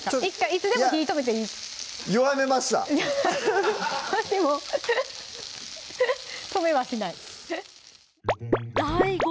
いつでも火止めていい弱めました止めはしないＤＡＩＧＯ